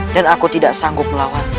dan aku tidak sanggup melawannya